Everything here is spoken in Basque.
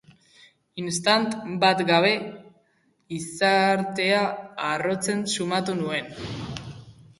Istant bat gabe, iztartea harrotzen sumatu nuen.